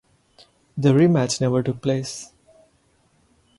The rematch never took place.